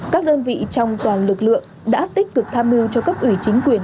các đơn vị trong toàn lực lượng đã tích cực tham mưu cho cấp ủy chính quyền